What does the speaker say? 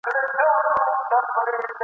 نور به نو ملنګ جهاني څه درکړي ..